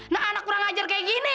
nah anak kurang ngajar kayak gini